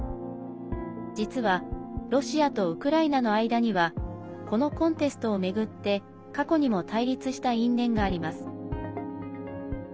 実はロシアとウクライナの間にはこのコンテストを巡って過去にも対立した因縁があります。